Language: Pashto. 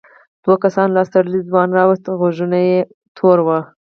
دوو کسانو لاس تړلی ځوان راووست غوږونه یې تور وو.